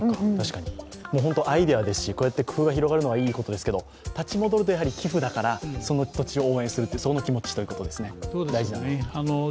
アイデアですし工夫が広がるのはいいことですけど立ち戻ると、やはり寄付だから、その土地を応援するという気持ちですね、大事なのは。